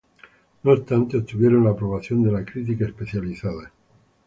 No obstante, obtuvieron la aprobación de la crítica especializada.